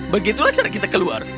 begitulah cara kita keluar